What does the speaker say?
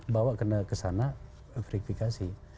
bawa ke sana verifikasi